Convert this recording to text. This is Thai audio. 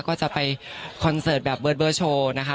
ก็จะไปแบบเบิร์ดเบิร์ดโชว์นะคะ